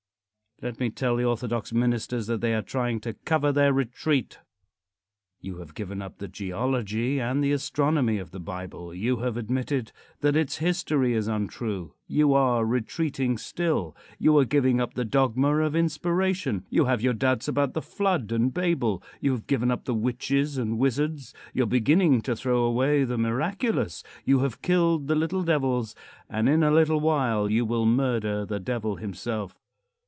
Let me tell the orthodox ministers that they are trying to cover their retreat. You have given up the geology and astronomy of the Bible. You have admitted that its history is untrue. You are retreating still. You are giving up the dogma of inspiration; you have your doubts about the flood and Babel; you have given up the witches and wizards; you are beginning to throw away the miraculous; you have killed the little devils, and in a little while you will murder the Devil himself.